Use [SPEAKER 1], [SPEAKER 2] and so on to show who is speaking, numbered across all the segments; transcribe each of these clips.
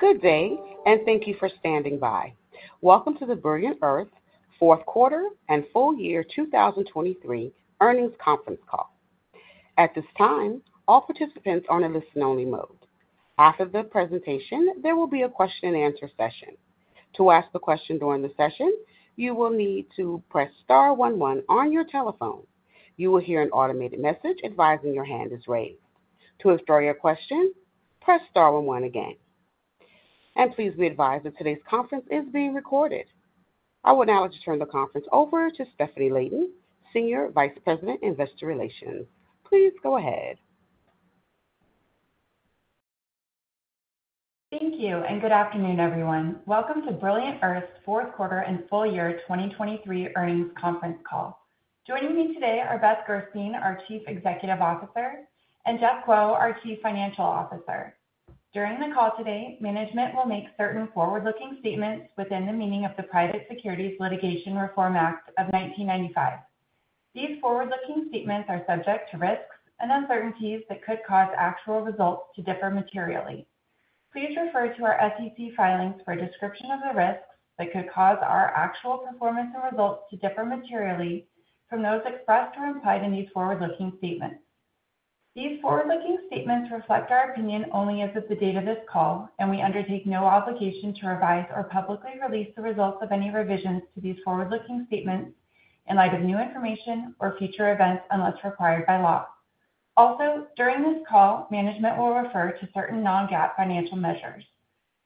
[SPEAKER 1] Good day, and thank you for standing by. Welcome to the Brilliant Earth Q4 and full year 2023 earnings conference call. At this time, all participants are in listen-only mode. After the presentation, there will be a question-and-answer session. To ask the question during the session, you will need to press star 11 on your telephone. You will hear an automated message advising your hand is raised. To explore your question, press star 11 again. Please be advised that today's conference is being recorded. I will now let you turn the conference over to Stephanie Leighton, Senior Vice President of Investor Relations. Please go ahead.
[SPEAKER 2] Thank you, and good afternoon, everyone. Welcome to Brilliant Earth's Q4 and full year 2023 earnings conference call. Joining me today are Beth Gerstein, our Chief Executive Officer, and Jeff Kuo, our Chief Financial Officer. During the call today, management will make certain forward-looking statements within the meaning of the Private Securities Litigation Reform Act of 1995. These forward-looking statements are subject to risks and uncertainties that could cause actual results to differ materially. Please refer to our SEC filings for a description of the risks that could cause our actual performance and results to differ materially from those expressed or implied in these forward-looking statements. These forward-looking statements reflect our opinion only as of the date of this call, and we undertake no obligation to revise or publicly release the results of any revisions to these forward-looking statements in light of new information or future events unless required by law. Also, during this call, management will refer to certain non-GAAP financial measures.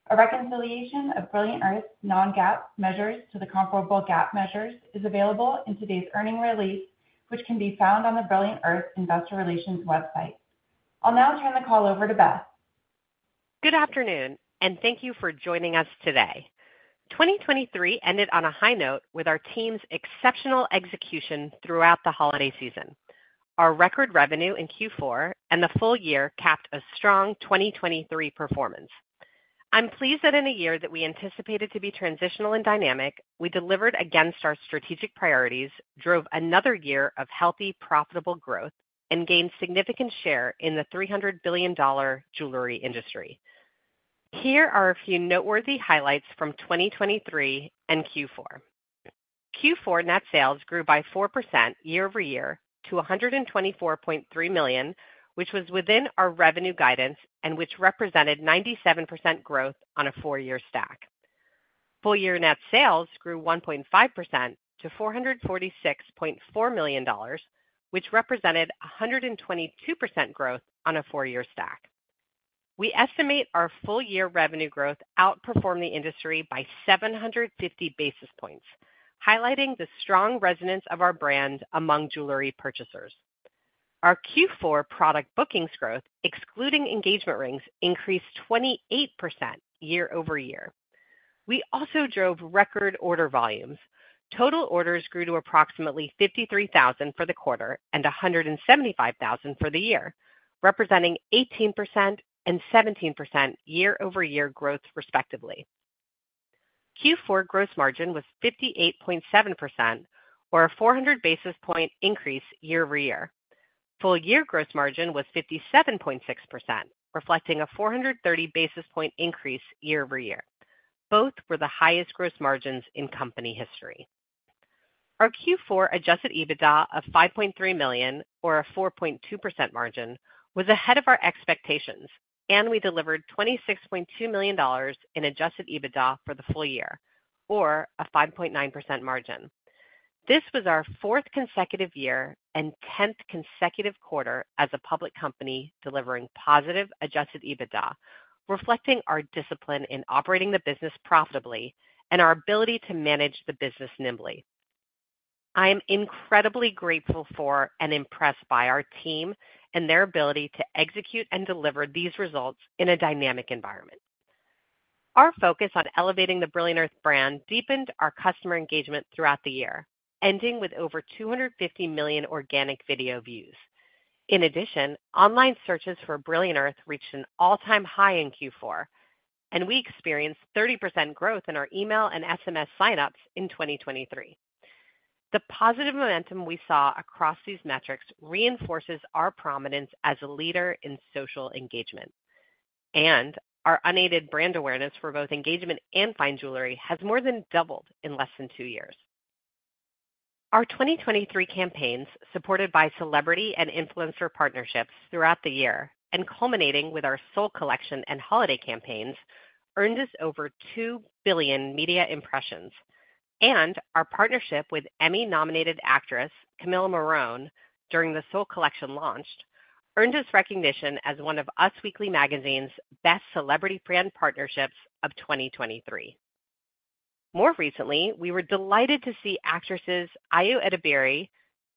[SPEAKER 2] A reconciliation of Brilliant Earth's non-GAAP measures to the comparable GAAP measures is available in today's earnings release, which can be found on the Brilliant Earth Investor Relations website. I'll now turn the call over to Beth.
[SPEAKER 3] Good afternoon, and thank you for joining us today. 2023 ended on a high note with our team's exceptional execution throughout the holiday season. Our record revenue in Q4 and the full year capped a strong 2023 performance. I'm pleased that in a year that we anticipated to be transitional and dynamic, we delivered against our strategic priorities, drove another year of healthy, profitable growth, and gained significant share in the $300 billion jewelry industry. Here are a few noteworthy highlights from 2023 and Q4. Q4 net sales grew by 4% year-over-year to $124.3 million, which was within our revenue guidance and which represented 97% growth on a four-year stack. Full-year net sales grew 1.5% to $446.4 million, which represented 122% growth on a four-year stack. We estimate our full-year revenue growth outperformed the industry by 750 basis points, highlighting the strong resonance of our brand among jewelry purchasers. Our Q4 product bookings growth, excluding engagement rings, increased 28% year-over-year. We also drove record order volumes. Total orders grew to approximately 53,000 for the quarter and 175,000 for the year, representing 18% and 17% year-over-year growth, respectively. Q4 gross margin was 58.7%, or a 400 basis points increase year-over-year. Full-year gross margin was 57.6%, reflecting a 430 basis points increase year-over-year. Both were the highest gross margins in company history. Our Q4 Adjusted EBITDA of $5.3 million, or a 4.2% margin, was ahead of our expectations, and we delivered $26.2 million in Adjusted EBITDA for the full year, or a 5.9% margin. This was our fourth consecutive year and tenth consecutive quarter as a public company delivering positive Adjusted EBITDA, reflecting our discipline in operating the business profitably and our ability to manage the business nimbly. I am incredibly grateful for and impressed by our team and their ability to execute and deliver these results in a dynamic environment. Our focus on elevating the Brilliant Earth brand deepened our customer engagement throughout the year, ending with over 250 million organic video views. In addition, online searches for Brilliant Earth reached an all-time high in Q4, and we experienced 30% growth in our email and SMS signups in 2023. The positive momentum we saw across these metrics reinforces our prominence as a leader in social engagement, and our unaided brand awareness for both engagement and fine jewelry has more than doubled in less than two years. Our 2023 campaigns, supported by celebrity and influencer partnerships throughout the year and culminating with our Soul Collection and holiday campaigns, earned us over 2 billion media impressions, and our partnership with Emmy-nominated actress Camila Morrone during the Soul Collection launch earned us recognition as one of Us Weekly magazine's best celebrity brand partnerships of 2023. More recently, we were delighted to see actresses Ayo Edebiri,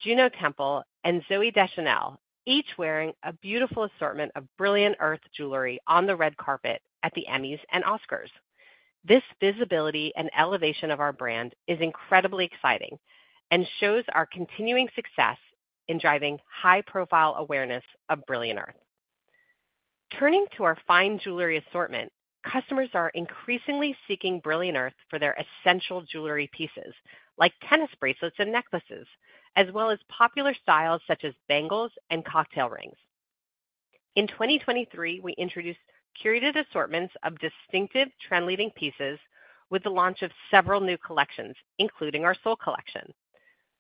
[SPEAKER 3] Juno Temple, and Zooey Deschanel each wearing a beautiful assortment of Brilliant Earth jewelry on the red carpet at the Emmys and Oscars. This visibility and elevation of our brand is incredibly exciting and shows our continuing success in driving high-profile awareness of Brilliant Earth. Turning to our fine jewelry assortment, customers are increasingly seeking Brilliant Earth for their essential jewelry pieces, like tennis bracelets and necklaces, as well as popular styles such as bangles and cocktail rings. In 2023, we introduced curated assortments of distinctive trend-leading pieces with the launch of several new collections, including our Soul Collection.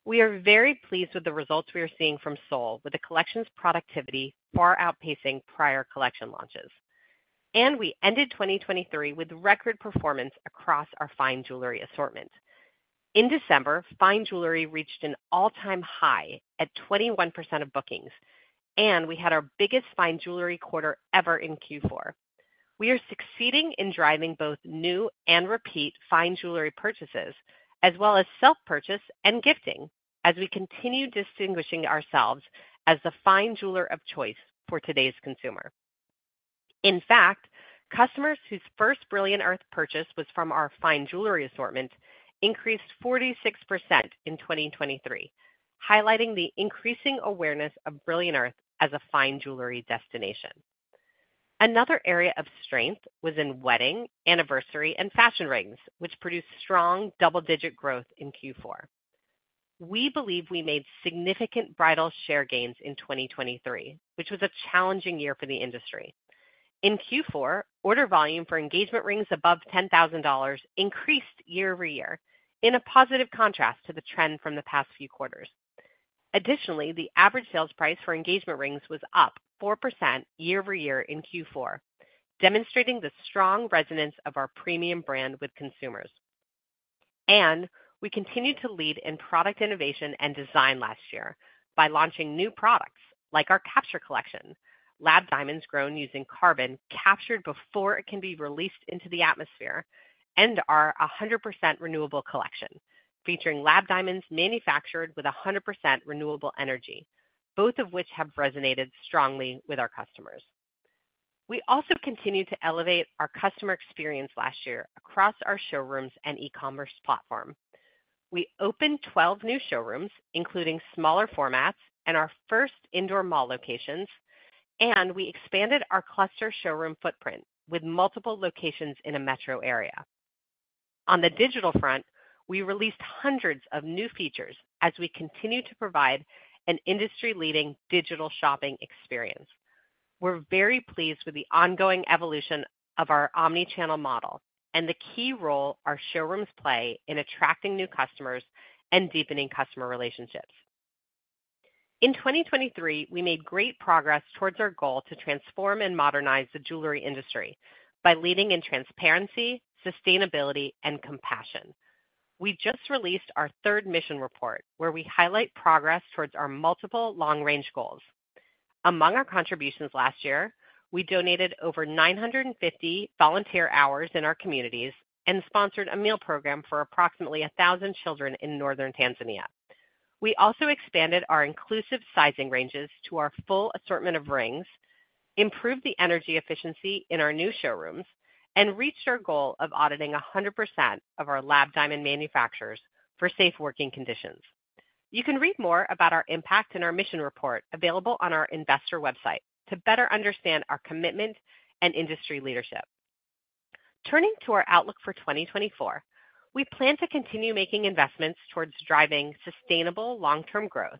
[SPEAKER 3] We are very pleased with the results we are seeing from Soul, with the collection's productivity far outpacing prior collection launches. We ended 2023 with record performance across our fine jewelry assortment. In December, fine jewelry reached an all-time high at 21% of bookings, and we had our biggest fine jewelry quarter ever in Q4. We are succeeding in driving both new and repeat fine jewelry purchases, as well as self-purchase and gifting, as we continue distinguishing ourselves as the fine jeweler of choice for today's consumer. In fact, customers whose first Brilliant Earth purchase was from our fine jewelry assortment increased 46% in 2023, highlighting the increasing awareness of Brilliant Earth as a fine jewelry destination. Another area of strength was in wedding, anniversary, and fashion rings, which produced strong double-digit growth in Q4. We believe we made significant bridal share gains in 2023, which was a challenging year for the industry. In Q4, order volume for engagement rings above $10,000 increased year-over-year, in a positive contrast to the trend from the past few quarters. Additionally, the average sales price for engagement rings was up 4% year-over-year in Q4, demonstrating the strong resonance of our premium brand with consumers. We continued to lead in product innovation and design last year by launching new products like our Capture Collection, Lab Diamonds grown using carbon captured before it can be released into the atmosphere, and our 100% Renewable Collection, featuring Lab Diamonds manufactured with 100% renewable energy, both of which have resonated strongly with our customers. We also continued to elevate our customer experience last year across our showrooms and e-commerce platform. We opened 12 new showrooms, including smaller formats and our first indoor mall locations, and we expanded our cluster showroom footprint with multiple locations in a metro area. On the digital front, we released hundreds of new features as we continue to provide an industry-leading digital shopping experience. We're very pleased with the ongoing evolution of our omnichannel model and the key role our showrooms play in attracting new customers and deepening customer relationships. In 2023, we made great progress towards our goal to transform and modernize the jewelry industry by leading in transparency, sustainability, and compassion. We just released our third mission report, where we highlight progress towards our multiple long-range goals. Among our contributions last year, we donated over 950 volunteer hours in our communities and sponsored a meal program for approximately 1,000 children in Northern Tanzania. We also expanded our inclusive sizing ranges to our full assortment of rings, improved the energy efficiency in our new showrooms, and reached our goal of auditing 100% of our lab diamond manufacturers for safe working conditions. You can read more about our impact in our mission report available on our investor website to better understand our commitment and industry leadership. Turning to our outlook for 2024, we plan to continue making investments towards driving sustainable long-term growth,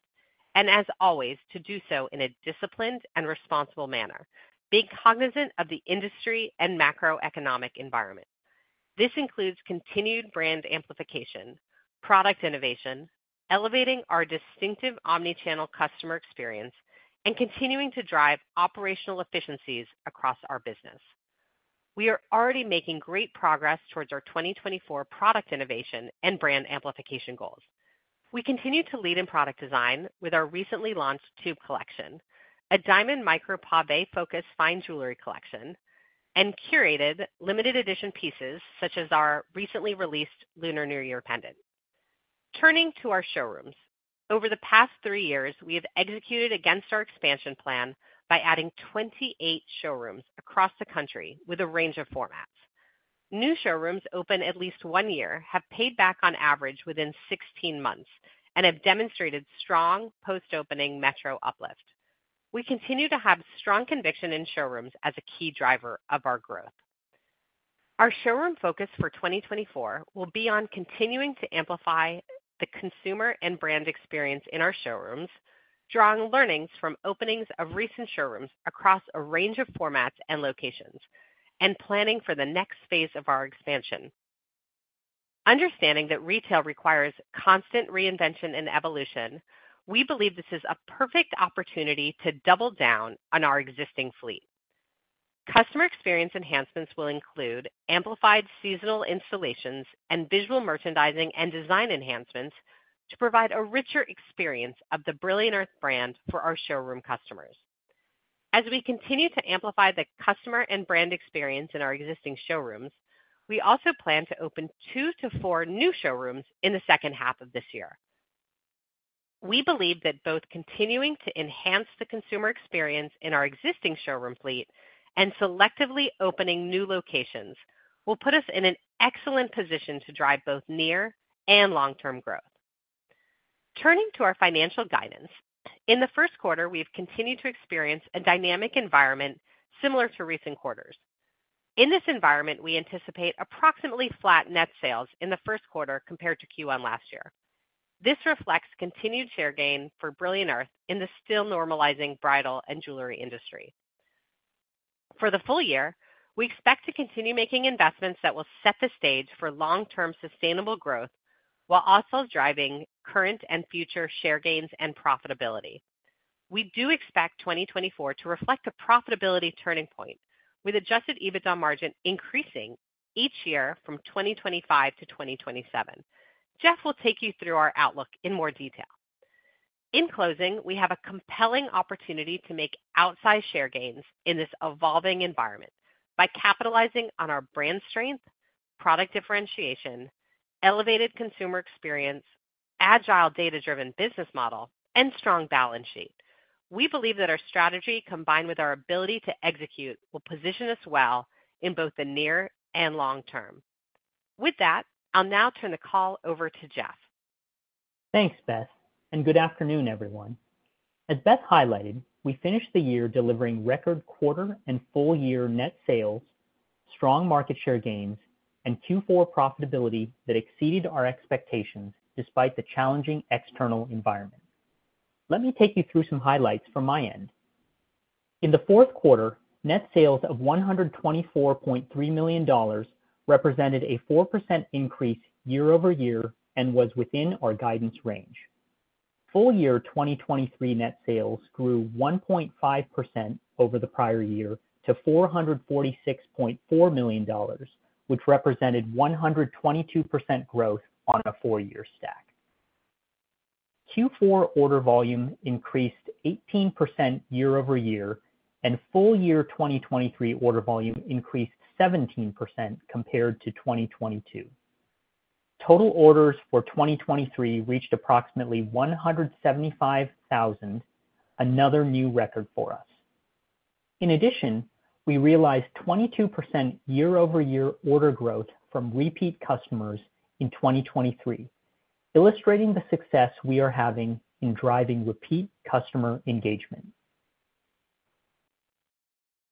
[SPEAKER 3] and as always, to do so in a disciplined and responsible manner, being cognizant of the industry and macroeconomic environment. This includes continued brand amplification, product innovation, elevating our distinctive omnichannel customer experience, and continuing to drive operational efficiencies across our business. We are already making great progress towards our 2024 product innovation and brand amplification goals. We continue to lead in product design with our recently launched Tube Collection, a diamond micro pavé focused fine jewelry collection, and curated limited-edition pieces such as our recently released Lunar New Year Pendant. Turning to our showrooms, over the past three years, we have executed against our expansion plan by adding 28 showrooms across the country with a range of formats. New showrooms opened at least one year have paid back on average within 16 months and have demonstrated strong post-opening metro uplift. We continue to have strong conviction in showrooms as a key driver of our growth. Our showroom focus for 2024 will be on continuing to amplify the consumer and brand experience in our showrooms, drawing learnings from openings of recent showrooms across a range of formats and locations, and planning for the next phase of our expansion. Understanding that retail requires constant reinvention and evolution, we believe this is a perfect opportunity to double down on our existing fleet. Customer experience enhancements will include amplified seasonal installations and visual merchandising and design enhancements to provide a richer experience of the Brilliant Earth brand for our showroom customers. As we continue to amplify the customer and brand experience in our existing showrooms, we also plan to open 2-4 new showrooms in the second half of this year. We believe that both continuing to enhance the consumer experience in our existing showroom fleet and selectively opening new locations will put us in an excellent position to drive both near- and long-term growth. Turning to our financial guidance, in the Q1, we have continued to experience a dynamic environment similar to recent quarters. In this environment, we anticipate approximately flat net sales in the Q1 compared to Q1 last year. This reflects continued share gain for Brilliant Earth in the still normalizing bridal and jewelry industry. For the full year, we expect to continue making investments that will set the stage for long-term sustainable growth while also driving current and future share gains and profitability. We do expect 2024 to reflect a profitability turning point, with Adjusted EBITDA margin increasing each year from 2025 to 2027. Jeff will take you through our outlook in more detail. In closing, we have a compelling opportunity to make outsized share gains in this evolving environment by capitalizing on our brand strength, product differentiation, elevated consumer experience, agile data-driven business model, and strong balance sheet. We believe that our strategy, combined with our ability to execute, will position us well in both the near and long term. With that, I'll now turn the call over to Jeff.
[SPEAKER 4] Thanks, Beth, and good afternoon, everyone. As Beth highlighted, we finished the year delivering record quarter and full year net sales, strong market share gains, and Q4 profitability that exceeded our expectations despite the challenging external environment. Let me take you through some highlights from my end. In the Q4, net sales of $124.3 million represented a 4% increase year-over-year and was within our guidance range. Full year 2023 net sales grew 1.5% over the prior year to $446.4 million, which represented 122% growth on a four-year stack. Q4 order volume increased 18% year-over-year, and full year 2023 order volume increased 17% compared to 2022. Total orders for 2023 reached approximately 175,000, another new record for us. In addition, we realized 22% year-over-year order growth from repeat customers in 2023, illustrating the success we are having in driving repeat customer engagement.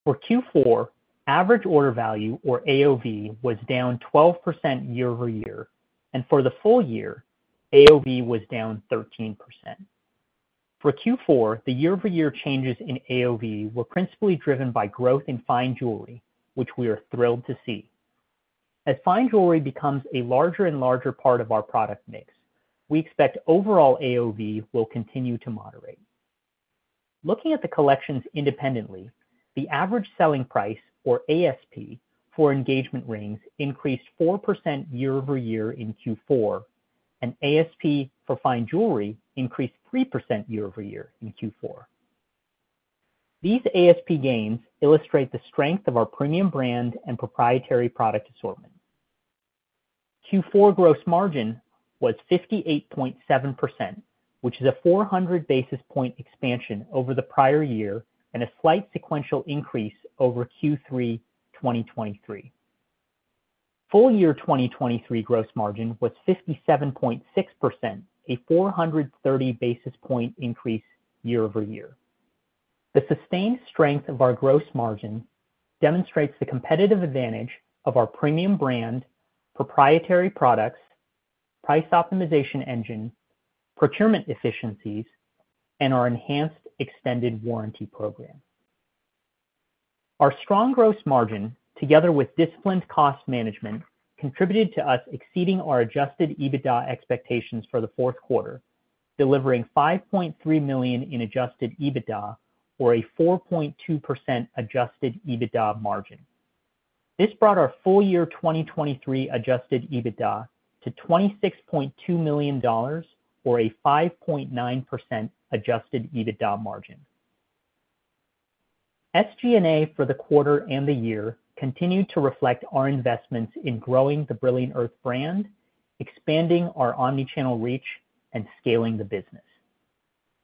[SPEAKER 4] For Q4, average order value, or AOV, was down 12% year-over-year, and for the full year, AOV was down 13%. For Q4, the year-over-year changes in AOV were principally driven by growth in fine jewelry, which we are thrilled to see. As fine jewelry becomes a larger and larger part of our product mix, we expect overall AOV will continue to moderate. Looking at the collections independently, the average selling price, or ASP, for engagement rings increased 4% year-over-year in Q4, and ASP for fine jewelry increased 3% year-over-year in Q4. These ASP gains illustrate the strength of our premium brand and proprietary product assortment. Q4 gross margin was 58.7%, which is a 400 basis point expansion over the prior year and a slight sequential increase over Q3 2023. Full year 2023 gross margin was 57.6%, a 430 basis point increase year-over-year. The sustained strength of our gross margin demonstrates the competitive advantage of our premium brand, proprietary products, price optimization engine, procurement efficiencies, and our enhanced extended warranty program. Our strong gross margin, together with disciplined cost management, contributed to us exceeding our adjusted EBITDA expectations for the Q4, delivering $5.3 million in adjusted EBITDA, or a 4.2% adjusted EBITDA margin. This brought our full year 2023 adjusted EBITDA to $26.2 million, or a 5.9% adjusted EBITDA margin. SG&A for the quarter and the year continued to reflect our investments in growing the Brilliant Earth brand, expanding our omnichannel reach, and scaling the business.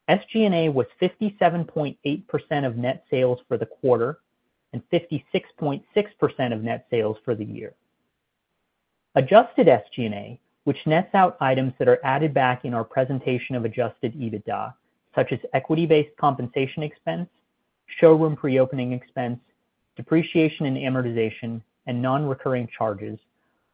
[SPEAKER 4] SG&A was 57.8% of net sales for the quarter and 56.6% of net sales for the year. Adjusted SG&A, which nets out items that are added back in our presentation of adjusted EBITDA, such as equity-based compensation expense, showroom pre-opening expense, depreciation and amortization, and non-recurring charges,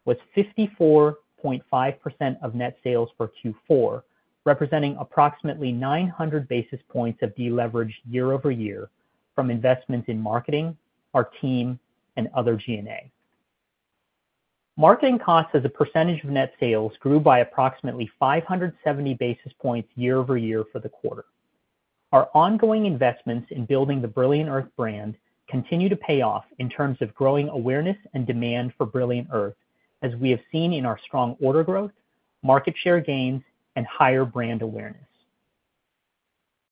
[SPEAKER 4] was 54.5% of net sales for Q4, representing approximately 900 basis points of deleveraged year-over-year from investments in marketing, our team, and other G&A. Marketing costs as a percentage of net sales grew by approximately 570 basis points year-over-year for the quarter. Our ongoing investments in building the Brilliant Earth brand continue to pay off in terms of growing awareness and demand for Brilliant Earth, as we have seen in our strong order growth, market share gains, and higher brand awareness.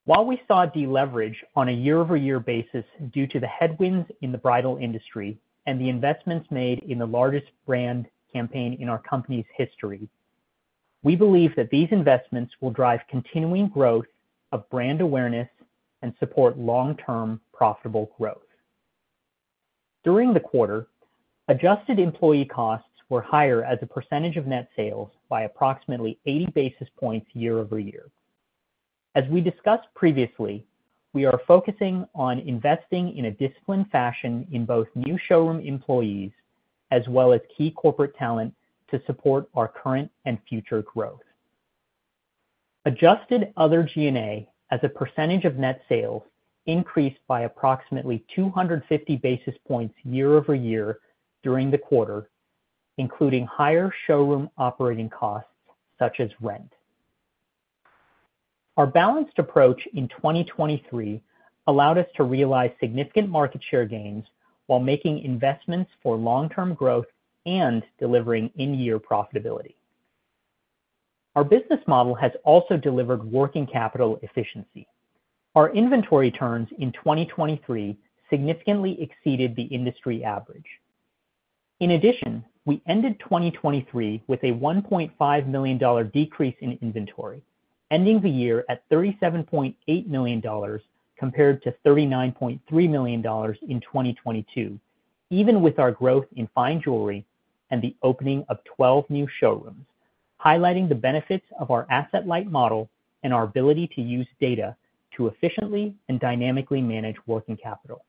[SPEAKER 4] While we saw deleverage on a year-over-year basis due to the headwinds in the bridal industry and the investments made in the largest brand campaign in our company's history, we believe that these investments will drive continuing growth of brand awareness and support long-term profitable growth. During the quarter, adjusted employee costs were higher as a percentage of net sales by approximately 80 basis points year-over-year. As we discussed previously, we are focusing on investing in a disciplined fashion in both new showroom employees as well as key corporate talent to support our current and future growth. Adjusted other SG&A as a percentage of net sales increased by approximately 250 basis points year-over-year during the quarter, including higher showroom operating costs such as rent. Our balanced approach in 2023 allowed us to realize significant market share gains while making investments for long-term growth and delivering in-year profitability. Our business model has also delivered working capital efficiency. Our inventory turns in 2023 significantly exceeded the industry average. In addition, we ended 2023 with a $1.5 million decrease in inventory, ending the year at $37.8 million compared to $39.3 million in 2022, even with our growth in fine jewelry and the opening of 12 new showrooms, highlighting the benefits of our asset-light model and our ability to use data to efficiently and dynamically manage working capital.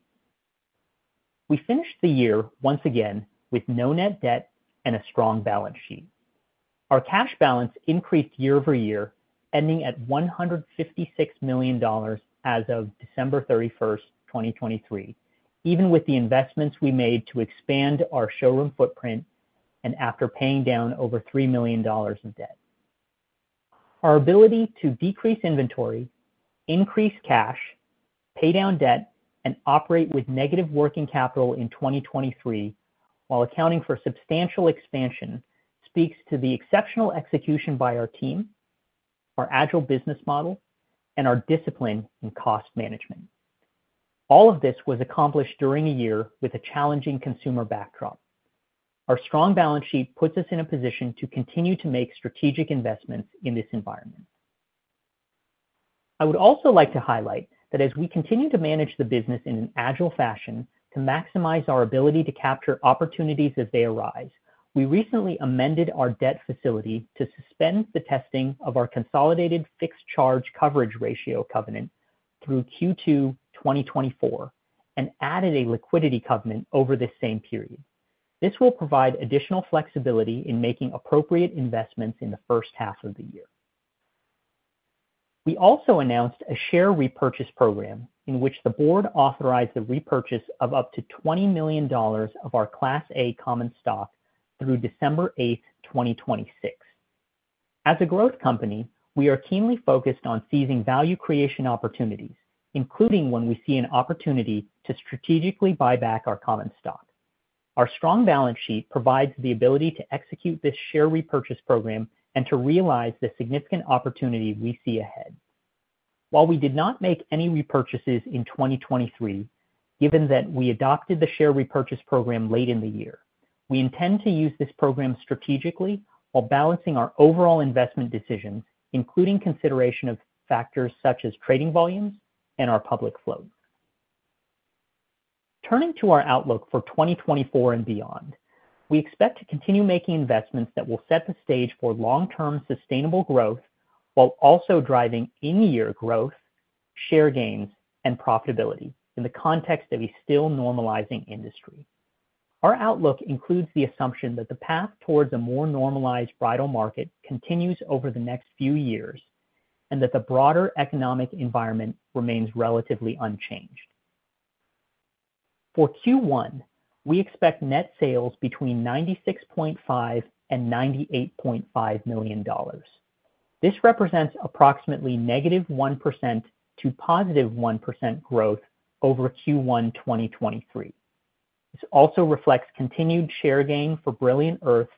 [SPEAKER 4] We finished the year once again with no net debt and a strong balance sheet. Our cash balance increased year-over-year, ending at $156 million as of December 31, 2023, even with the investments we made to expand our showroom footprint and after paying down over $3 million in debt. Our ability to decrease inventory, increase cash, pay down debt, and operate with negative working capital in 2023 while accounting for substantial expansion speaks to the exceptional execution by our team, our agile business model, and our discipline in cost management. All of this was accomplished during a year with a challenging consumer backdrop. Our strong balance sheet puts us in a position to continue to make strategic investments in this environment. I would also like to highlight that as we continue to manage the business in an agile fashion to maximize our ability to capture opportunities as they arise, we recently amended our debt facility to suspend the testing of our Consolidated Fixed Charge Coverage Ratio covenant through Q2 2024 and added a liquidity covenant over this same period. This will provide additional flexibility in making appropriate investments in the first half of the year. We also announced a share repurchase program in which the board authorized the repurchase of up to $20 million of our Class A Common Stock through December 8, 2026. As a growth company, we are keenly focused on seizing value creation opportunities, including when we see an opportunity to strategically buy back our common stock. Our strong balance sheet provides the ability to execute this share repurchase program and to realize the significant opportunity we see ahead. While we did not make any repurchases in 2023, given that we adopted the share repurchase program late in the year, we intend to use this program strategically while balancing our overall investment decisions, including consideration of factors such as trading volumes and our public float. Turning to our outlook for 2024 and beyond, we expect to continue making investments that will set the stage for long-term sustainable growth while also driving in-year growth, share gains, and profitability in the context of a still normalizing industry. Our outlook includes the assumption that the path towards a more normalized bridal market continues over the next few years and that the broader economic environment remains relatively unchanged. For Q1, we expect net sales between $96.5 million-$98.5 million. This represents approximately -1% to +1% growth over Q1 2023. This also reflects continued share gain for Brilliant Earth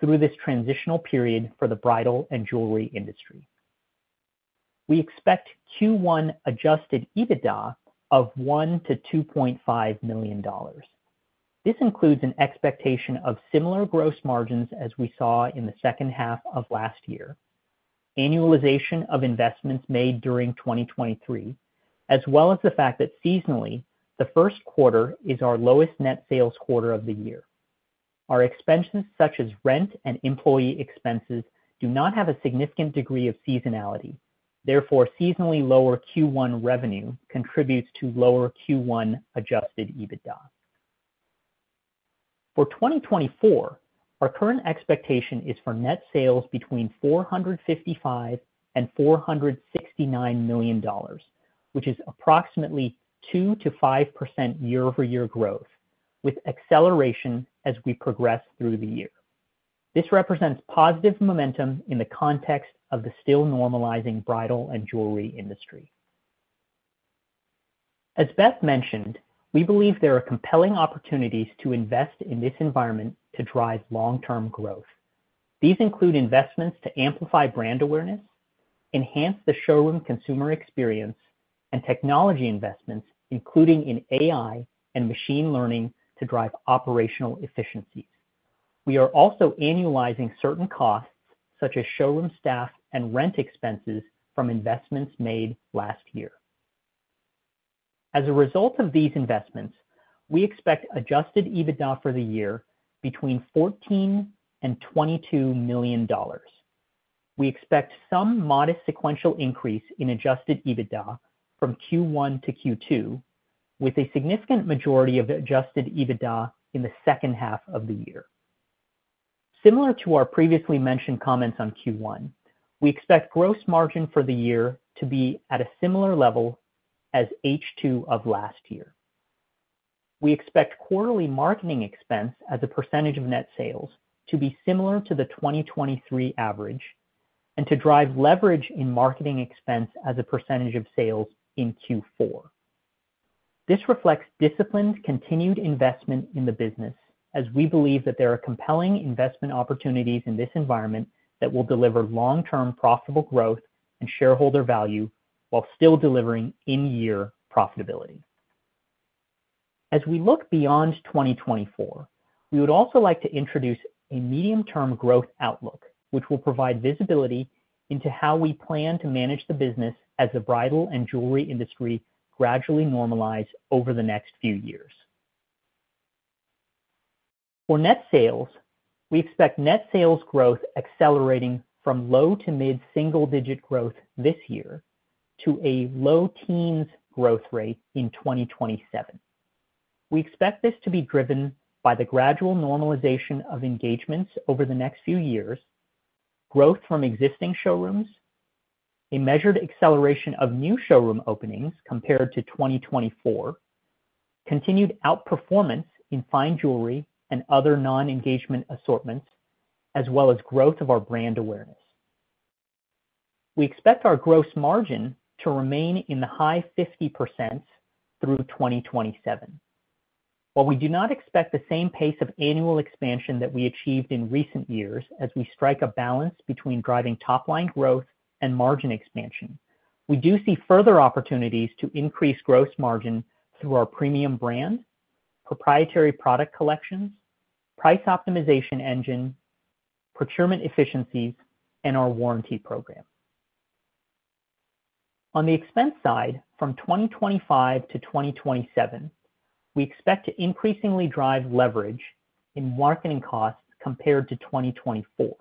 [SPEAKER 4] through this transitional period for the bridal and jewelry industry. We expect Q1 Adjusted EBITDA of $1-$2.5 million. This includes an expectation of similar gross margins as we saw in the second half of last year, annualization of investments made during 2023, as well as the fact that seasonally, the Q1 is our lowest net sales quarter of the year. Our expenses, such as rent and employee expenses, do not have a significant degree of seasonality. Therefore, seasonally lower Q1 revenue contributes to lower Q1 Adjusted EBITDA. For 2024, our current expectation is for net sales between $455 million and $469 million, which is approximately 2%-5% year-over-year growth, with acceleration as we progress through the year. This represents positive momentum in the context of the still normalizing bridal and jewelry industry. As Beth mentioned, we believe there are compelling opportunities to invest in this environment to drive long-term growth. These include investments to amplify brand awareness, enhance the showroom consumer experience, and technology investments, including in AI and machine learning, to drive operational efficiencies. We are also annualizing certain costs, such as showroom staff and rent expenses, from investments made last year. As a result of these investments, we expect Adjusted EBITDA for the year between $14 million and $22 million. We expect some modest sequential increase in Adjusted EBITDA from Q1 to Q2, with a significant majority of Adjusted EBITDA in the second half of the year. Similar to our previously mentioned comments on Q1, we expect gross margin for the year to be at a similar level as H2 of last year. We expect quarterly marketing expense as a percentage of net sales to be similar to the 2023 average and to drive leverage in marketing expense as a percentage of sales in Q4. This reflects disciplined continued investment in the business, as we believe that there are compelling investment opportunities in this environment that will deliver long-term profitable growth and shareholder value while still delivering in-year profitability. As we look beyond 2024, we would also like to introduce a medium-term growth outlook, which will provide visibility into how we plan to manage the business as the bridal and jewelry industry gradually normalize over the next few years. For net sales, we expect net sales growth accelerating from low to mid single-digit growth this year to a low teens growth rate in 2027. We expect this to be driven by the gradual normalization of engagements over the next few years, growth from existing showrooms, a measured acceleration of new showroom openings compared to 2024, continued outperformance in fine jewelry and other non-engagement assortments, as well as growth of our brand awareness. We expect our gross margin to remain in the high 50% through 2027. While we do not expect the same pace of annual expansion that we achieved in recent years as we strike a balance between driving top-line growth and margin expansion, we do see further opportunities to increase gross margin through our premium brand, proprietary product collections, price optimization engine, procurement efficiencies, and our warranty program. On the expense side, from 2025 to 2027, we expect to increasingly drive leverage in marketing costs compared to 2024.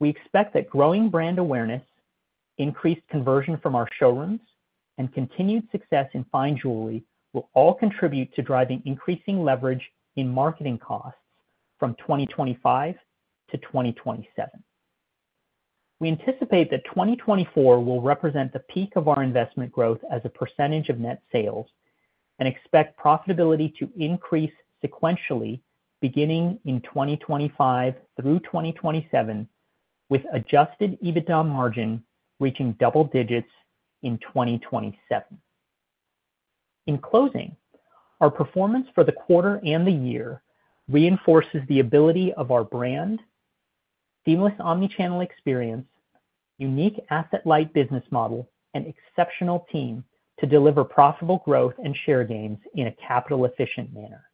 [SPEAKER 4] We expect that growing brand awareness, increased conversion from our showrooms, and continued success in fine jewelry will all contribute to driving increasing leverage in marketing costs from 2025 to 2027. We anticipate that 2024 will represent the peak of our investment growth as a percentage of net sales and expect profitability to increase sequentially beginning in 2025 through 2027, with adjusted EBITDA margin reaching double digits in 2027. In closing, our performance for the quarter and the year reinforces the ability of our brand, seamless omnichannel experience, unique asset-light business model, and exceptional team to deliver profitable growth and share gains in a capital-efficient manner.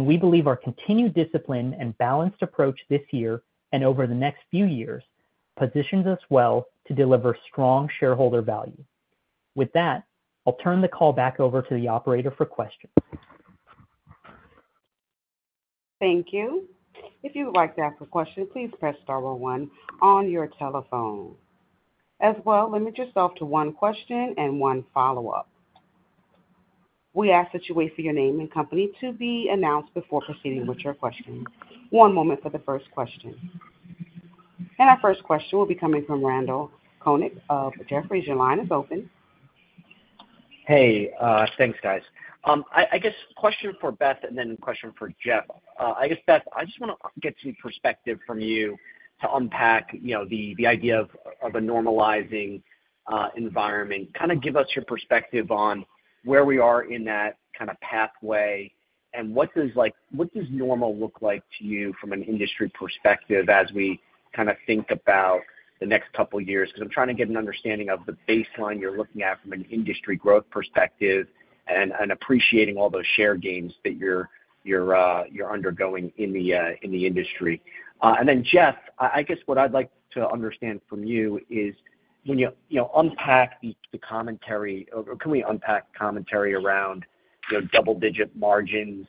[SPEAKER 4] We believe our continued discipline and balanced approach this year and over the next few years positions us well to deliver strong shareholder value. With that, I'll turn the call back over to the operator for questions.
[SPEAKER 1] Thank you. If you would like to ask a question, please press star 11 on your telephone. As well, limit yourself to one question and one follow-up. We ask that you wait for your name and company to be announced before proceeding with your question. One moment for the first question. And our first question will be coming from Randal Konik of Jefferies. Your line is open.
[SPEAKER 5] Hey. Thanks, guys. I guess question for Beth and then question for Jeff. I guess, Beth, I just want to get some perspective from you to unpack the idea of a normalizing environment. Kind of give us your perspective on where we are in that kind of pathway and what does normal look like to you from an industry perspective as we kind of think about the next couple of years. Because I'm trying to get an understanding of the baseline you're looking at from an industry growth perspective and appreciating all those share gains that you're undergoing in the industry. And then, Jeff, I guess what I'd like to understand from you is when you unpack the commentary or can we unpack commentary around double-digit margins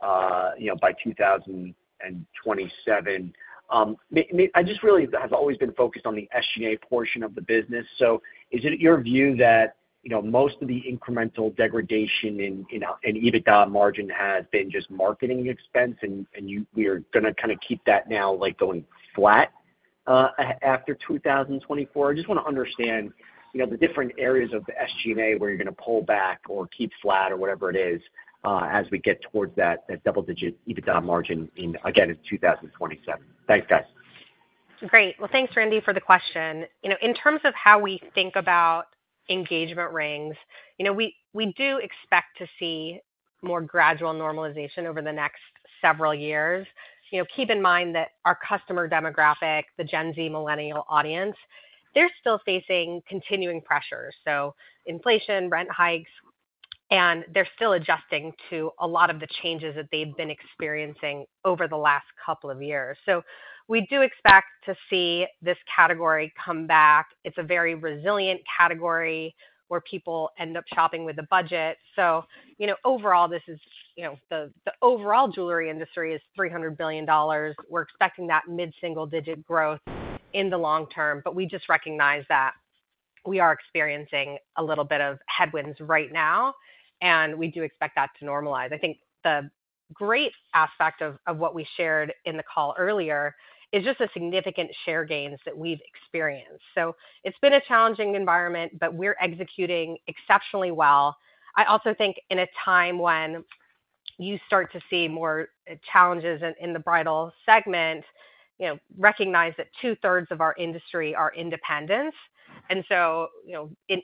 [SPEAKER 5] by 2027. I just really have always been focused on the SG&A portion of the business. So is it your view that most of the incremental degradation in EBITDA margin has been just marketing expense and we are going to kind of keep that now going flat after 2024? I just want to understand the different areas of the SG&A where you're going to pull back or keep flat or whatever it is as we get towards that double-digit EBITDA margin, again, in 2027. Thanks, guys.
[SPEAKER 3] Great. Well, thanks, Randy, for the question. In terms of how we think about engagement rings, we do expect to see more gradual normalization over the next several years. Keep in mind that our customer demographic, the Gen Z, millennial audience, they're still facing continuing pressures. So inflation, rent hikes, and they're still adjusting to a lot of the changes that they've been experiencing over the last couple of years. So we do expect to see this category come back. It's a very resilient category where people end up shopping with a budget. So overall, this is the overall jewelry industry is $300 billion. We're expecting that mid-single-digit growth in the long term. But we just recognize that we are experiencing a little bit of headwinds right now, and we do expect that to normalize. I think the great aspect of what we shared in the call earlier is just the significant share gains that we've experienced. So it's been a challenging environment, but we're executing exceptionally well. I also think in a time when you start to see more challenges in the bridal segment, recognize that two-thirds of our industry are independents. And so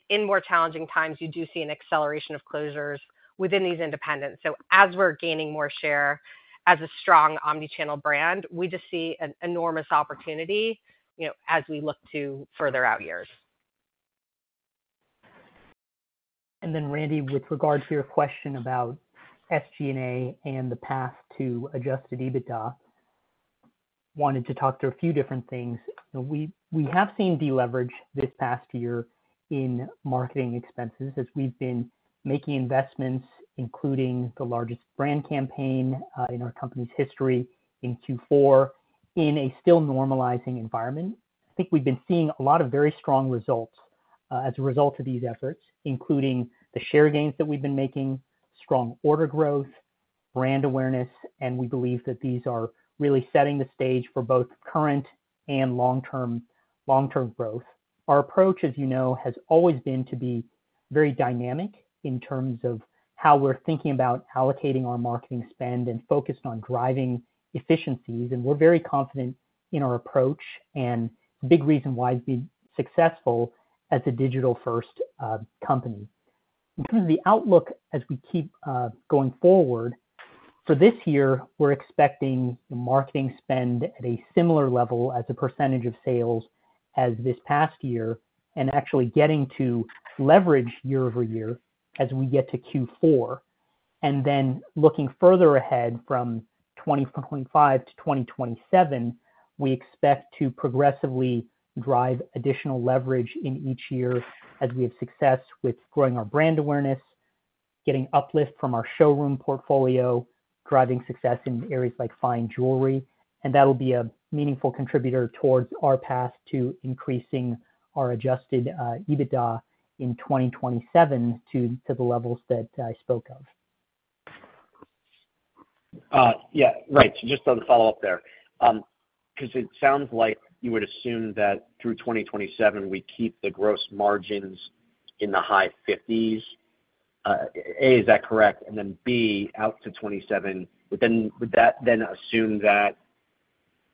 [SPEAKER 3] in more challenging times, you do see an acceleration of closures within these independents. So as we're gaining more share as a strong omnichannel brand, we just see an enormous opportunity as we look to further out years.
[SPEAKER 4] Then, Randy, with regard to your question about SG&A and the path to adjusted EBITDA, wanted to talk through a few different things. We have seen deleverage this past year in marketing expenses as we've been making investments, including the largest brand campaign in our company's history in Q4, in a still normalizing environment. I think we've been seeing a lot of very strong results as a result of these efforts, including the share gains that we've been making, strong order growth, brand awareness, and we believe that these are really setting the stage for both current and long-term growth. Our approach, as you know, has always been to be very dynamic in terms of how we're thinking about allocating our marketing spend and focused on driving efficiencies. We're very confident in our approach, and it's a big reason why we've been successful as a digital-first company. In terms of the outlook as we keep going forward, for this year, we're expecting marketing spend at a similar level as a percentage of sales as this past year and actually getting to leverage year-over-year as we get to Q4. And then looking further ahead from 2025 to 2027, we expect to progressively drive additional leverage in each year as we have success with growing our brand awareness, getting uplift from our showroom portfolio, driving success in areas like fine jewelry. And that'll be a meaningful contributor towards our path to increasing our Adjusted EBITDA in 2027 to the levels that I spoke of.
[SPEAKER 5] Yeah. Right. So just as a follow-up there, because it sounds like you would assume that through 2027, we keep the gross margins in the high 50s. A, is that correct? And then B, out to 2027, would that then assume that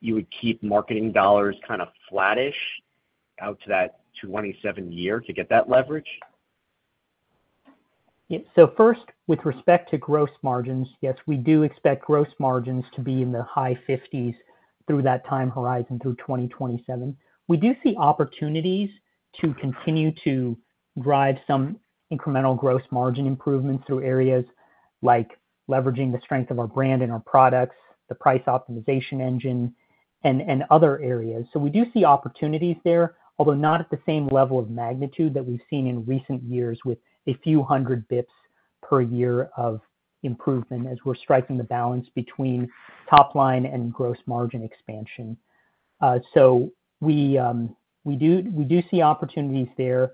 [SPEAKER 5] you would keep marketing dollars kind of flattish out to that 2027 year to get that leverage?
[SPEAKER 4] Yep. So first, with respect to gross margins, yes, we do expect gross margins to be in the high 50s% through that time horizon, through 2027. We do see opportunities to continue to drive some incremental gross margin improvements through areas like leveraging the strength of our brand and our products, the price optimization engine, and other areas. So we do see opportunities there, although not at the same level of magnitude that we've seen in recent years with a few hundred basis points per year of improvement as we're striking the balance between top-line and gross margin expansion. So we do see opportunities there.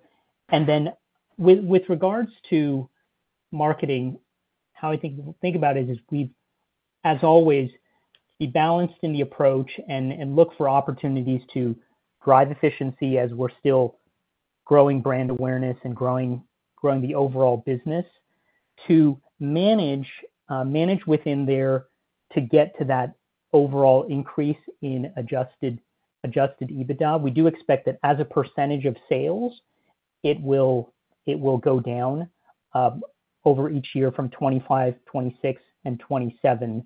[SPEAKER 4] And then with regards to marketing, how I think we'll think about it is we've, as always, be balanced in the approach and look for opportunities to drive efficiency as we're still growing brand awareness and growing the overall business, to manage within their to get to that overall increase in Adjusted EBITDA. We do expect that as a percentage of sales, it will go down over each year from 2025, 2026, and 2027,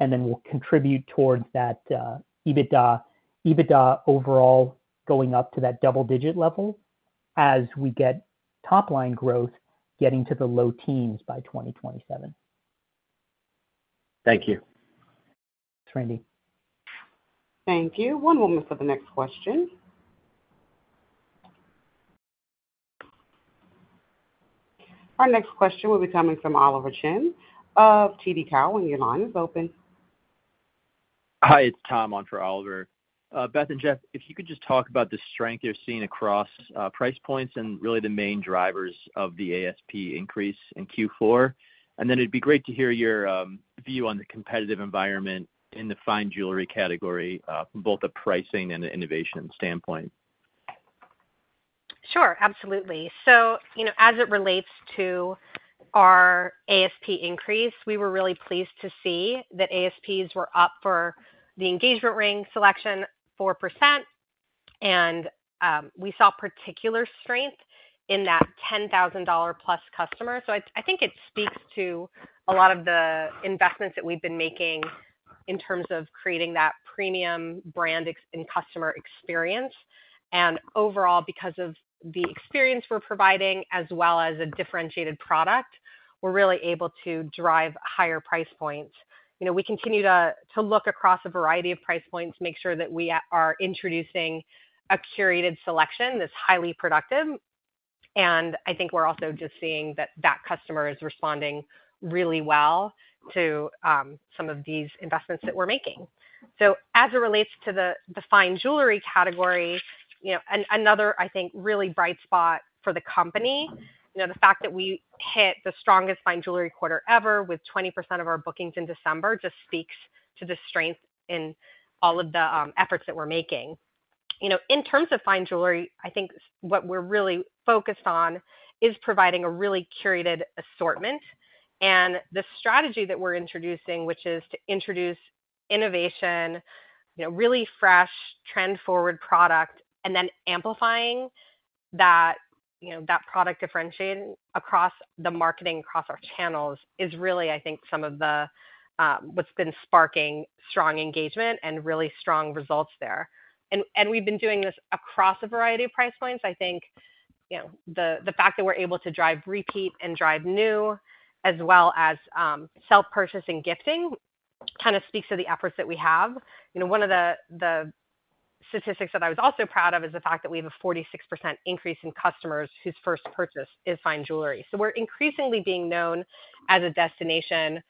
[SPEAKER 4] and then we'll contribute towards that EBITDA overall going up to that double-digit level as we get top-line growth getting to the low teens by 2027.
[SPEAKER 5] Thank you.
[SPEAKER 4] Thanks, Randy.
[SPEAKER 1] Thank you. One moment for the next question. Our next question will be coming from Oliver Chen of TD Cowen. Your line is open.
[SPEAKER 6] Hi. It's Tom on for Oliver. Beth and Jeff, if you could just talk about the strength you're seeing across price points and really the main drivers of the ASP increase in Q4. And then it'd be great to hear your view on the competitive environment in the fine jewelry category from both a pricing and an innovation standpoint.
[SPEAKER 3] Sure. Absolutely. So as it relates to our ASP increase, we were really pleased to see that ASPs were up for the engagement ring selection 4%. And we saw particular strength in that $10,000-plus customer. So I think it speaks to a lot of the investments that we've been making in terms of creating that premium brand and customer experience. And overall, because of the experience we're providing as well as a differentiated product, we're really able to drive higher price points. We continue to look across a variety of price points, make sure that we are introducing a curated selection that's highly productive. And I think we're also just seeing that that customer is responding really well to some of these investments that we're making. So as it relates to the fine jewelry category, another, I think, really bright spot for the company, the fact that we hit the strongest fine jewelry quarter ever with 20% of our bookings in December just speaks to the strength in all of the efforts that we're making. In terms of fine jewelry, I think what we're really focused on is providing a really curated assortment. And the strategy that we're introducing, which is to introduce innovation, really fresh, trend-forward product, and then amplifying that product differentiating across the marketing, across our channels, is really, I think, some of what's been sparking strong engagement and really strong results there. And we've been doing this across a variety of price points. I think the fact that we're able to drive repeat and drive new as well as self-purchase and gifting kind of speaks to the efforts that we have. One of the statistics that I was also proud of is the fact that we have a 46% increase in customers whose first purchase is fine jewelry. We're increasingly being known as a destination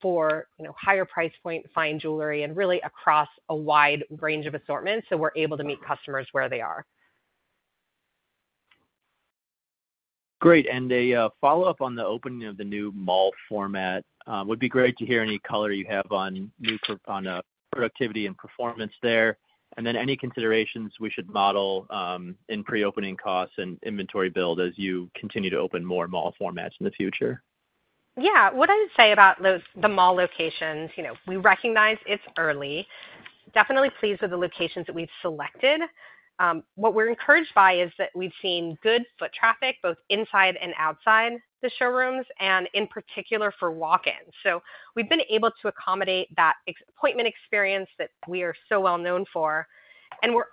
[SPEAKER 3] for higher price point fine jewelry and really across a wide range of assortments. We're able to meet customers where they are.
[SPEAKER 6] Great. And a follow-up on the opening of the new mall format. Would be great to hear any color you have on productivity and performance there, and then any considerations we should model in pre-opening costs and inventory build as you continue to open more mall formats in the future?
[SPEAKER 3] Yeah. What I would say about the mall locations, we recognize it's early. Definitely pleased with the locations that we've selected. What we're encouraged by is that we've seen good foot traffic both inside and outside the showrooms, and in particular for walk-ins. So we've been able to accommodate that appointment experience that we are so well known for. And we're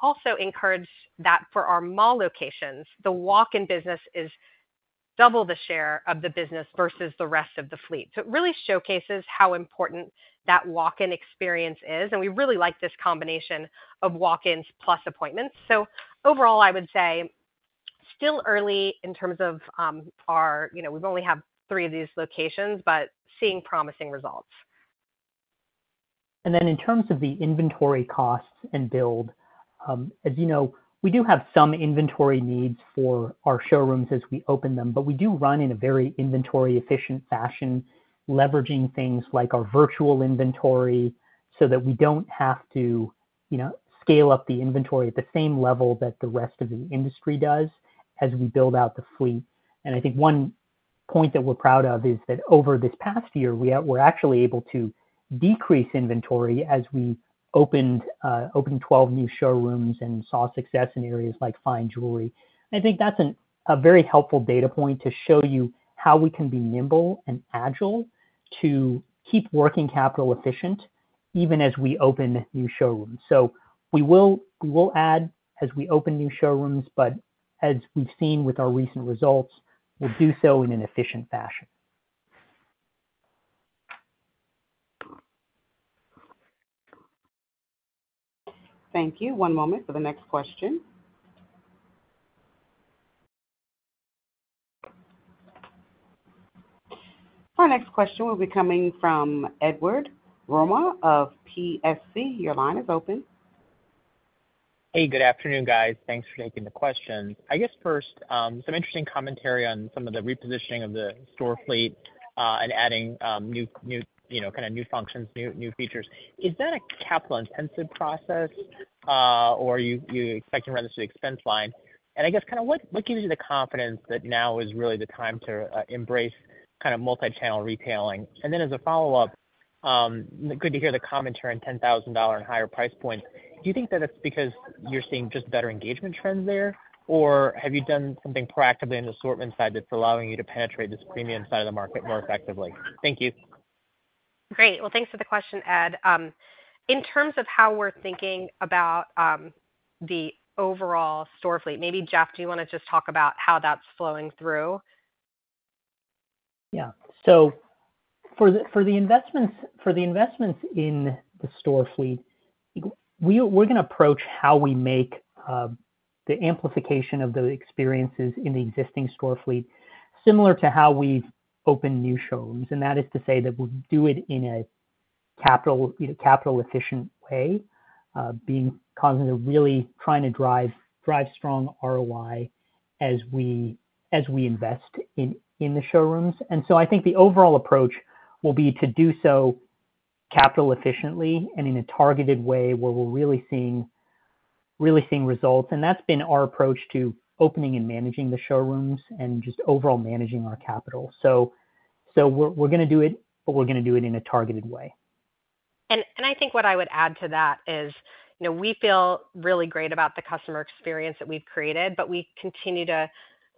[SPEAKER 3] also encouraged that for our mall locations, the walk-in business is double the share of the business versus the rest of the fleet. So it really showcases how important that walk-in experience is. And we really like this combination of walk-ins plus appointments. So overall, I would say still early in terms of we've only had three of these locations, but seeing promising results.
[SPEAKER 4] Then in terms of the inventory costs and build, as you know, we do have some inventory needs for our showrooms as we open them, but we do run in a very inventory-efficient fashion, leveraging things like our virtual inventory so that we don't have to scale up the inventory at the same level that the rest of the industry does as we build out the fleet. And I think one point that we're proud of is that over this past year, we're actually able to decrease inventory as we opened 12 new showrooms and saw success in areas like fine jewelry. And I think that's a very helpful data point to show you how we can be nimble and agile to keep working capital efficient even as we open new showrooms. We will add as we open new showrooms, but as we've seen with our recent results, we'll do so in an efficient fashion.
[SPEAKER 1] Thank you. One moment for the next question. Our next question will be coming from Edward Yruma of Piper Sandler. Your line is open.
[SPEAKER 7] Hey. Good afternoon, guys. Thanks for taking the questions. I guess first, some interesting commentary on some of the repositioning of the store fleet and adding kind of new functions, new features. Is that a capital-intensive process, or are you expecting to run this through the expense line? And I guess kind of what gives you the confidence that now is really the time to embrace kind of multi-channel retailing? And then as a follow-up, good to hear the commentary on $10,000 and higher price points. Do you think that it's because you're seeing just better engagement trends there, or have you done something proactively on the assortment side that's allowing you to penetrate this premium side of the market more effectively? Thank you.
[SPEAKER 3] Great. Well, thanks for the question, Ed. In terms of how we're thinking about the overall store fleet, maybe, Jeff, do you want to just talk about how that's flowing through?
[SPEAKER 4] Yeah. So for the investments in the store fleet, we're going to approach how we make the amplification of the experiences in the existing store fleet similar to how we open new showrooms. And that is to say that we'll do it in a capital-efficient way, being cognizant of really trying to drive strong ROI as we invest in the showrooms. And so I think the overall approach will be to do so capital-efficiently and in a targeted way where we're really seeing results. And that's been our approach to opening and managing the showrooms and just overall managing our capital. So we're going to do it, but we're going to do it in a targeted way.
[SPEAKER 3] And I think what I would add to that is we feel really great about the customer experience that we've created, but we continue to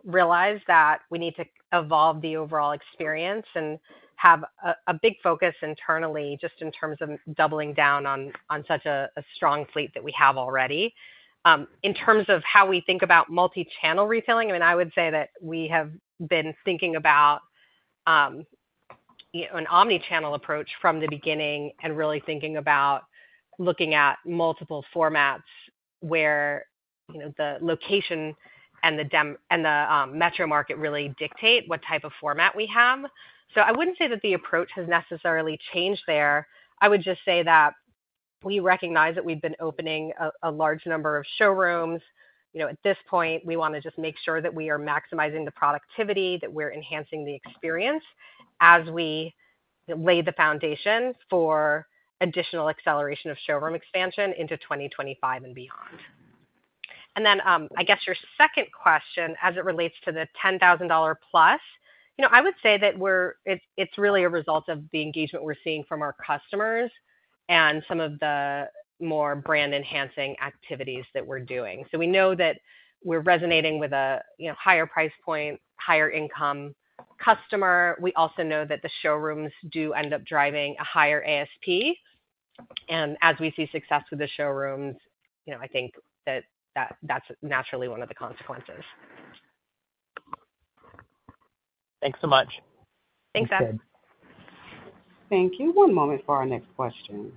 [SPEAKER 3] realize that we need to evolve the overall experience and have a big focus internally just in terms of doubling down on such a strong fleet that we have already. In terms of how we think about multi-channel retailing, I mean, I would say that we have been thinking about an omnichannel approach from the beginning and really thinking about looking at multiple formats where the location and the metro market really dictate what type of format we have. So I wouldn't say that the approach has necessarily changed there. I would just say that we recognize that we've been opening a large number of showrooms. At this point, we want to just make sure that we are maximizing the productivity, that we're enhancing the experience as we lay the foundation for additional acceleration of showroom expansion into 2025 and beyond. And then I guess your second question, as it relates to the $10,000+, I would say that it's really a result of the engagement we're seeing from our customers and some of the more brand-enhancing activities that we're doing. So we know that we're resonating with a higher price point, higher income customer. We also know that the showrooms do end up driving a higher ASP. And as we see success with the showrooms, I think that that's naturally one of the consequences.
[SPEAKER 7] Thanks so much.
[SPEAKER 3] Thanks, Ed.
[SPEAKER 1] Thank you. One moment for our next question.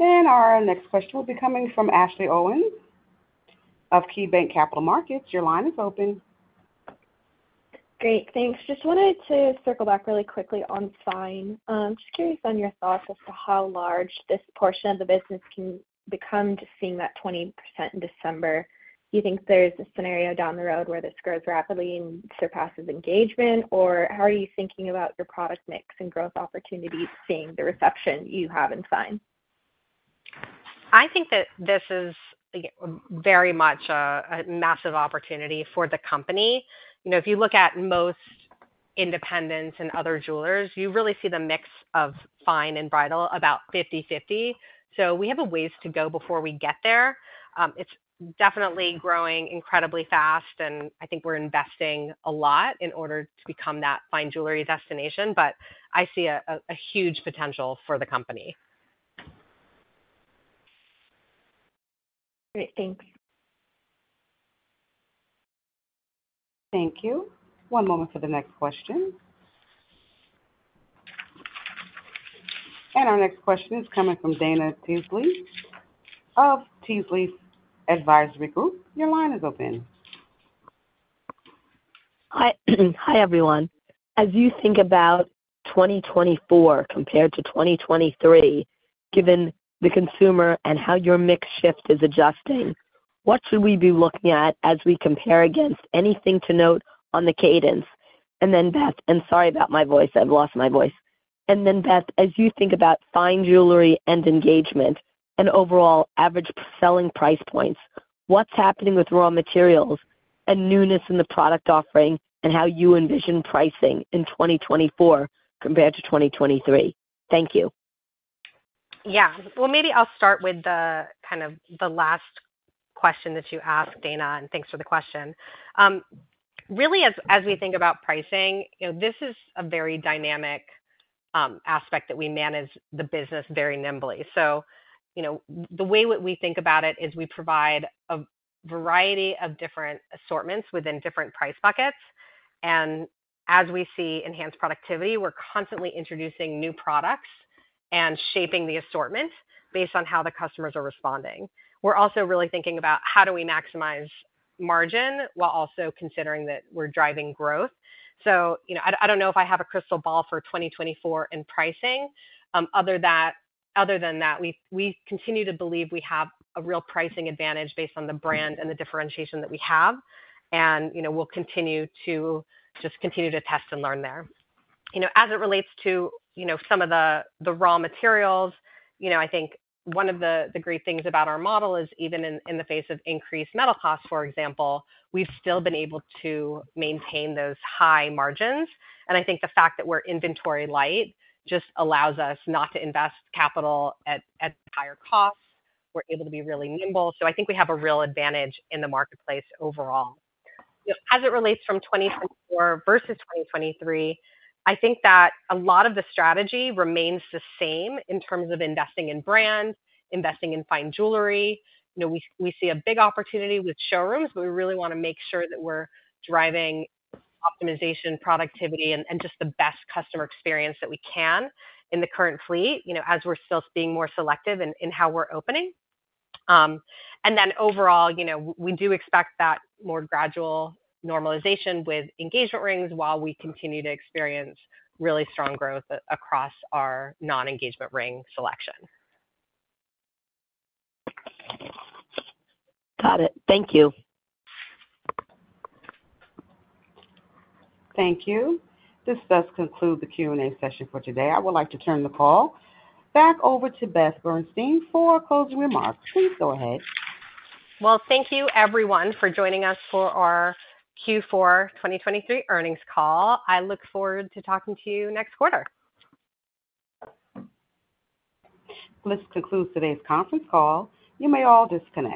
[SPEAKER 1] Our next question will be coming from Ashley Owens of KeyBanc Capital Markets. Your line is open.
[SPEAKER 8] Great. Thanks. Just wanted to circle back really quickly on fine. Just curious on your thoughts as to how large this portion of the business can become just seeing that 20% in December. Do you think there's a scenario down the road where this grows rapidly and surpasses engagement, or how are you thinking about your product mix and growth opportunities seeing the reception you have in fine?
[SPEAKER 3] I think that this is very much a massive opportunity for the company. If you look at most independents and other jewelers, you really see the mix of fine and bridal about 50/50. So we have a ways to go before we get there. It's definitely growing incredibly fast, and I think we're investing a lot in order to become that fine jewelry destination. But I see a huge potential for the company.
[SPEAKER 8] Great. Thanks.
[SPEAKER 1] Thank you. One moment for the next question. And our next question is coming from Dana Telsey of Telsey Advisory Group. Your line is open.
[SPEAKER 9] Hi, everyone. As you think about 2024 compared to 2023, given the consumer and how your mix shift is adjusting, what should we be looking at as we compare against anything to note on the cadence? And then, Beth, and sorry about my voice. I've lost my voice. And then, Beth, as you think about fine jewelry and engagement and overall average selling price points, what's happening with raw materials and newness in the product offering and how you envision pricing in 2024 compared to 2023? Thank you.
[SPEAKER 3] Yeah. Well, maybe I'll start with kind of the last question that you asked, Dana, and thanks for the question. Really, as we think about pricing, this is a very dynamic aspect that we manage the business very nimbly. So the way that we think about it is we provide a variety of different assortments within different price buckets. And as we see enhanced productivity, we're constantly introducing new products and shaping the assortment based on how the customers are responding. We're also really thinking about how do we maximize margin while also considering that we're driving growth. So I don't know if I have a crystal ball for 2024 in pricing. Other than that, we continue to believe we have a real pricing advantage based on the brand and the differentiation that we have. And we'll continue to just continue to test and learn there. As it relates to some of the raw materials, I think one of the great things about our model is even in the face of increased metal costs, for example, we've still been able to maintain those high margins. And I think the fact that we're inventory light just allows us not to invest capital at higher costs. We're able to be really nimble. So I think we have a real advantage in the marketplace overall. As it relates from 2024 versus 2023, I think that a lot of the strategy remains the same in terms of investing in brand, investing in fine jewelry. We see a big opportunity with showrooms, but we really want to make sure that we're driving optimization, productivity, and just the best customer experience that we can in the current fleet as we're still being more selective in how we're opening. And then overall, we do expect that more gradual normalization with engagement rings while we continue to experience really strong growth across our non-engagement ring selection.
[SPEAKER 9] Got it. Thank you.
[SPEAKER 1] Thank you. This does conclude the Q&A session for today. I would like to turn the call back over to Beth Gerstein for closing remarks. Please go ahead.
[SPEAKER 3] Well, thank you, everyone, for joining us for our Q4 2023 earnings call. I look forward to talking to you next quarter.
[SPEAKER 1] This concludes today's conference call. You may all disconnect.